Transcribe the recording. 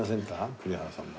栗原さんも。